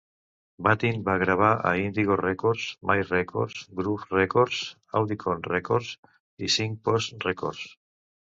Battin va gravar a Indigo Records, May Records, Groove Records, Audicon Records i Signpost Records.